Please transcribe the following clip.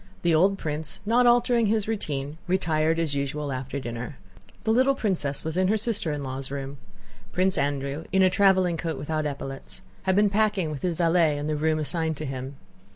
The old prince, not altering his routine, retired as usual after dinner. The little princess was in her sister in law's room. Prince Andrew in a traveling coat without epaulettes had been packing with his valet in the rooms assigned to him.